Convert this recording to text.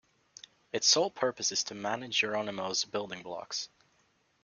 Its sole purpose is to manage Geronimo's building blocks.